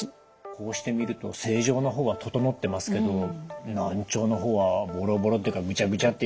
こうして見ると正常な方は整ってますけど難聴の方はボロボロっていうかグチャグチャっていうか。